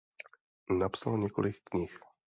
Napsal několik knih.